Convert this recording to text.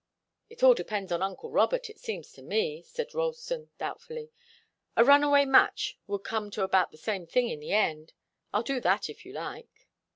"It all depends on uncle Robert, it seems to me," said Ralston, doubtfully. "A runaway match would come to about the same thing in the end. I'll do that, if you like."